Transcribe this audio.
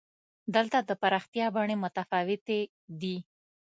دلته د پراختیا بڼې متفاوتې دي.